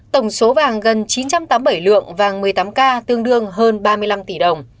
tổng số vàng gần chín trăm tám mươi bảy lượng vàng một mươi tám k tương đương hơn ba mươi năm tỷ đồng